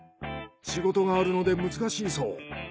仕事があるので難しいそう。